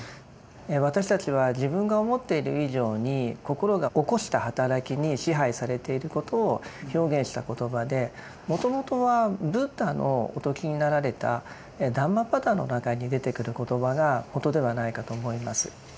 私たちは自分が思っている以上に心が起こした働きに支配されていることを表現した言葉でもともとはブッダのお説きになられた「ダンマパダ」の中に出てくる言葉がもとではないかと思います。